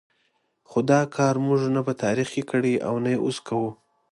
خو دا کار موږ نه په تاریخ کې کړی او نه یې اوس کوو.